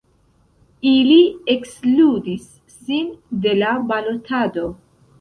Ili ekskludis sin de la balotado.